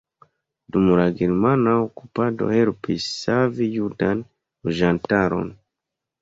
Dum la germana okupado helpis savi judan loĝantaron.